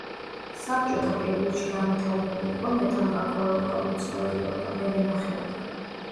საბჭოთა პერიოდში განვითარებული იყო მეთამბაქოეობა, მეცხოველეობა, მევენახეობა.